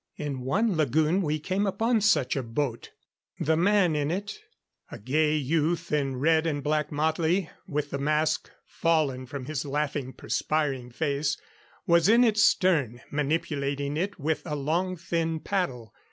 In one lagoon we came upon such a boat. The man in it a gay youth in red and black motley, with the mask fallen from his laughing, perspiring face was in its stern, manipulating it with a long, thin paddle.